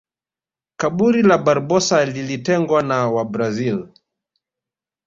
Kaburi la barbosa lilitengwa na wabrazil